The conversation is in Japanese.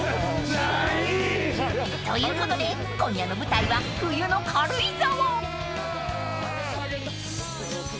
［ということで今夜の舞台は冬の軽井沢］